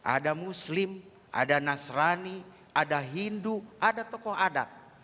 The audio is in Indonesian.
ada muslim ada nasrani ada hindu ada tokoh adat